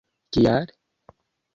Kial?